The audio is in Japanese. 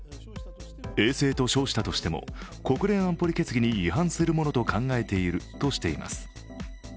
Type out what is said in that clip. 衛星と称したとしても、国連安保理決議に違反するものと考えているとしています。